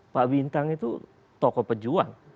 pak bintang itu tokoh pejuang